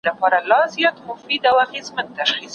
که ښوونه او روزنه پراخه سي ټولنه پرمختګ کوي.